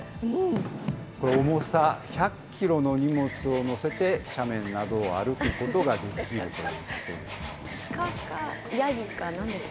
これ、重さ１００キロの荷物を載せて、斜面などを歩くことができるということです。